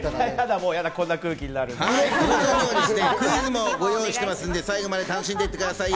もうやだ、こんな空気になるクイズもご用意していますので、最後まで楽しんで行ってくださいね。